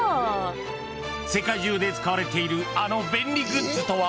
世界中で使われているあの便利グッズとは？